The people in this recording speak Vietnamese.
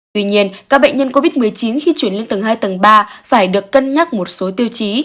tuy nhiên các bệnh nhân covid một mươi chín khi chuyển lên tầng hai tầng ba phải được cân nhắc một số tiêu chí